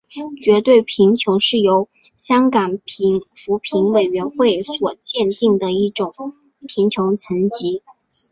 绝对贫穷是由香港扶贫委员会所界定的一种贫穷层级。